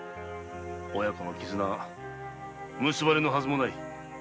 親子のキズナ結ばれぬはずもない。